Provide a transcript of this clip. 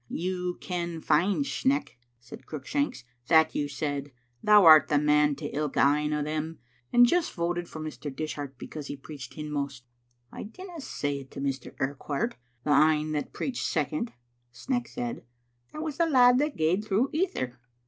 "You ken fine, Sneck," said Cruickshanks, "that you said, *Thou art the man' to ilka ane o' them, and just voted for Mr. Dishart because he preached hinmost." " I didna say it to Mr. Urquhart, the ane that preached second," Sneck said. "That was the lad that gaed through ither."